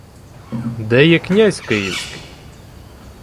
— Де є князь київський?